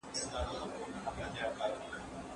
نړیوال لابراتوارونه د افغان زعفرانو ستاینه کوي.